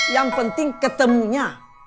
yang penting ketemunya